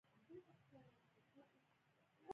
موږ د نقد غوندې هر شی نشو زغملی.